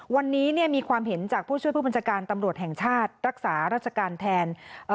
วันนี้เนี่ยมีความเห็นจากผู้ช่วยผู้บัญชาการตำรวจแห่งชาติรักษาราชการแทนเอ่อ